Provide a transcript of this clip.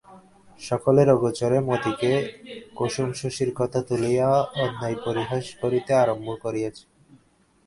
সকলের অগোচরে মতিকে কুসুম শশীর কথা তুলিয়া অন্যায় পরিহাস করিতে আরম্ভ করিয়াছে।